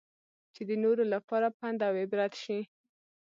چې د نورو لپاره پند اوعبرت شي.